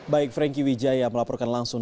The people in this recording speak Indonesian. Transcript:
baik franky wijaya melaporkan langsung